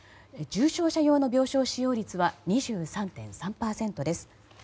重症者用の病床使用率は２３．３％です。